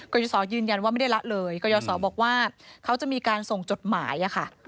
ยศยืนยันว่าไม่ได้ละเลยกรยศบอกว่าเขาจะมีการส่งจดหมายอะค่ะ